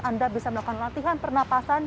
anda bisa melakukan latihan pernapasan